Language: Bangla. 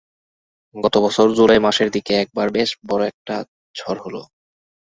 গত বছর জুলাই মাসের দিকে একবার বেশ বড় একটা ঝড় হলো।